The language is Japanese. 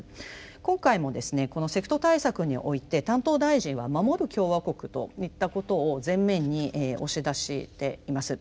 今回もですねこのセクト対策において担当大臣は守る共和国といったことを前面に押し出しています。